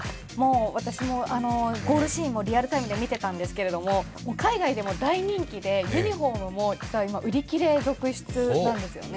私もゴールシーンもリアルタイムで見てたんですけど、海外でも大人気で、ユニフォームも売り切れ続出なんですよね。